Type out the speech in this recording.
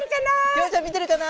りょうちゃん見てるかな？